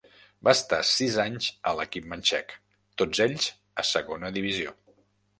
Va estar sis anys a l'equip manxec, tots ells a Segona Divisió.